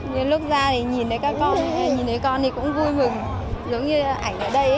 nhưng lúc ra thì nhìn thấy con thì cũng vui mừng giống như ảnh ở đây